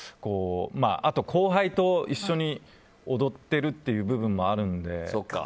あと後輩と一緒に踊ってるという部分もあるので。